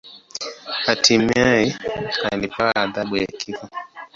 Hatimaye alipewa adhabu ya kifo.